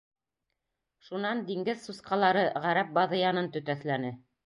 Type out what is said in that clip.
Шунан диңгеҙ сусҡалары ғәрәп баҙыянын төтәҫләне.